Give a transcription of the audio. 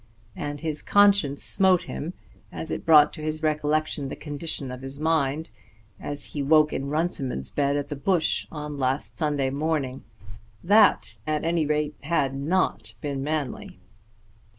And his conscience smote him as it brought to his recollection the condition of his mind as he woke in Runciman's bed at the Bush on last Sunday morning. That at any rate had not been manly.